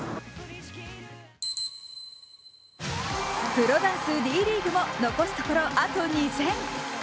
プロダンス・Ｄリーグも残すところあと２戦。